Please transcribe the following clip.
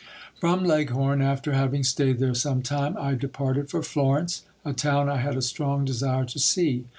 From Leghorn, after having staid there some time, I departed for Florence, a town I had a strong desire to see.